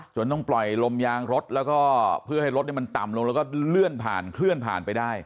ต้องปล่อยลมยางรถแล้วก็เพื่อให้รถมันต่ำลงแล้วก็เลื่อนผ่านเคลื่อนผ่านไปได้